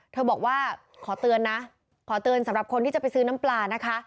บอกว่าขอเตือนนะขอเตือนสำหรับคนที่จะไปซื้อน้ำปลานะคะ